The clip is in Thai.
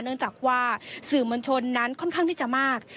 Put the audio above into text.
เนื่องจากว่าสื่อมวลชนนั้นค่อนข้างที่จะมาก